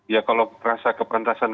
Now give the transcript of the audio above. ya kalau rasa kepantasan